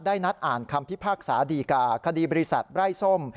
นัดอ่านคำพิพากษาดีกาคดีบริษัทไร้ส้ม